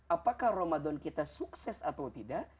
apakah ramadan kita sukses atau tidak